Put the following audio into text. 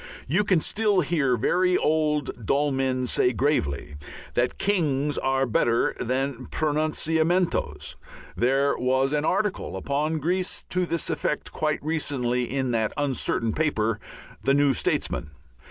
You can still hear very old dull men say gravely that "kings are better than pronunciamentos"; there was an article upon Greece to this effect quite recently in that uncertain paper The New Statesman.